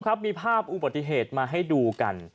ครับมีภาพอุบัติเหตุมาให้ดูกัน